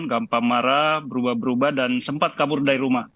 gampang marah berubah berubah dan sempat kabur dari rumah